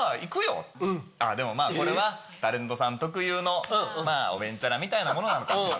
でもまぁこれはタレントさん特有のおべんちゃらみたいなものなのかしら。